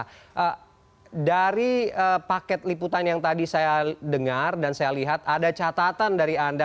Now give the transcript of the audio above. jadi paket liputan yang tadi saya dengar dan saya lihat ada catatan dari anda